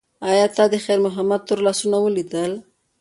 ایا تا د خیر محمد تور لاسونه ولیدل؟